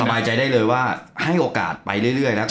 สบายใจได้เลยว่าให้โอกาสไปเรื่อยแล้วกัน